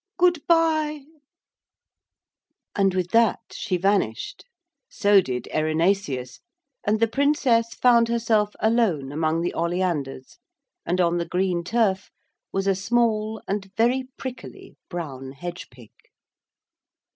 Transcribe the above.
Good bye!' And with that she vanished. So did Erinaceus, and the Princess found herself alone among the oleanders; and on the green turf was a small and very prickly brown hedge pig.